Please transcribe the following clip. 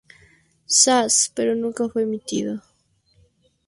Sass", pero nunca fue emitido.